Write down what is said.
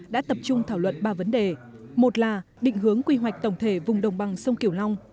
đã tập trung thảo luận ba vấn đề một là định hướng quy hoạch tổng thể vùng đồng bằng sông kiểu long